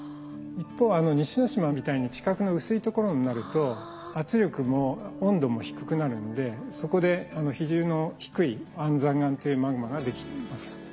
一方西之島みたいに地殻の薄いところになると圧力も温度も低くなるのでそこで比重の低い安山岩というマグマができます。